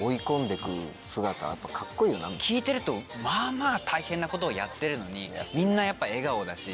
聞いてるとまあまあ大変なことをやってるのにみんなやっぱ笑顔だし。